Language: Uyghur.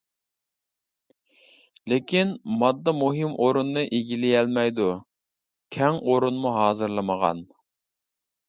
لېكىن، ماددا مۇھىم ئورۇننى ئىگىلىيەلمەيدۇ، كەڭ ئورۇنمۇ ھازىرلىمىغان.